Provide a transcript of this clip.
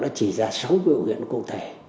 đã chỉ ra sáu biểu hiện cụ thể